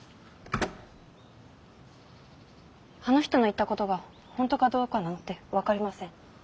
あの人の言った事が本当かどうかなんて分かりません。